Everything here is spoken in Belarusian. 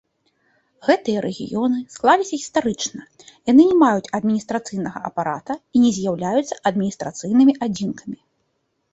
Гэтыя рэгіёны склаліся гістарычна, яны не маюць адміністрацыйнага апарата і не з'яўляюцца адміністрацыйнымі адзінкамі.